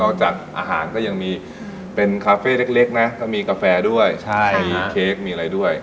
จากอาหารก็ยังมีเป็นคาเฟ่เล็กนะถ้ามีกาแฟด้วยมีเค้กมีอะไรด้วย